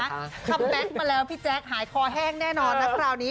คัมแบ็คมาแล้วพี่แจ๊คหายคอแห้งแน่นอนนะคราวนี้